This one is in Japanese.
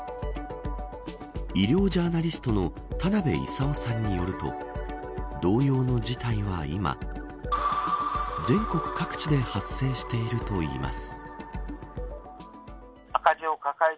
医療ジャーナリストの田辺功さんによると同様の事態は今全国各地で発生しているといいます。